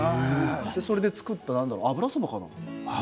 それで使った油そばかな。